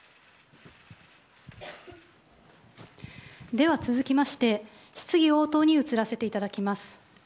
では、続きまして質疑応答に移らせていただきます。